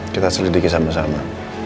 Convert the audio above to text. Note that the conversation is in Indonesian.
kita selidiki sama sama